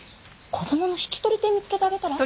子供の引き取り手見つけてあげたら？